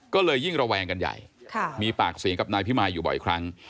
ก็เลยยิ่งระแวงกันใหญ่มีปากเสียงกับนายพิมายอยู่บ่อยครั้ง